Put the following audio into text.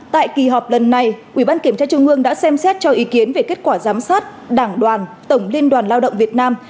tại kỳ họp lần này ủy ban kiểm tra trung ương đã xem xét cho ý kiến về kết quả giám sát đảng đoàn tổng liên đoàn lao động việt nam